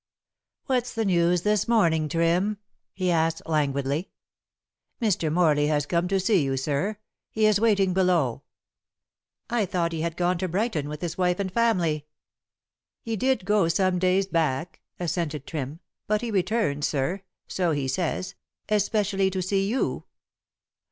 "What's the news this morning, Trim?" he asked languidly. "Mr. Morley has come to see you, sir. He is waiting below." "I thought he had gone to Brighton with his wife and family?" "He did go some days back," assented Trim, "but he returned, sir so he says especially to see you."